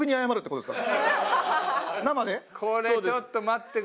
これちょっと待ってくれ。